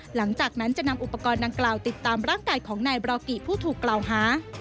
หลังจากนั้นจะนำอุปกรณ์ดังกล่าวติดตามร่างกายของนายบรากิผู้ถูกกล่าวหา